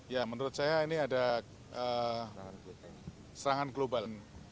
ya menurut saya ini ada serangan global